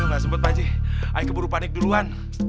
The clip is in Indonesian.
tidak sempat pak ji saya keburu panik duluan